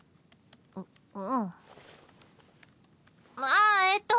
ううん。ああえっと